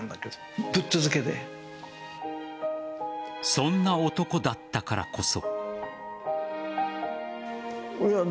そんな男だったからこそ。